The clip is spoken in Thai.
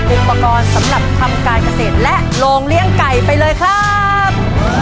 อุปกรณ์สำหรับทำการเกษตรและโรงเลี้ยงไก่ไปเลยครับ